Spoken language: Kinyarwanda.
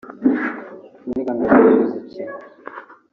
Burya mbere yo kuzikina